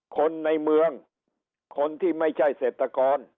คนในเมืองคนที่ไม่ใช่เศรษฐกร